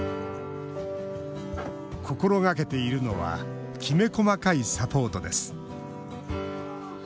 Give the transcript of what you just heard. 心がけているのはきめ細かいサポートです。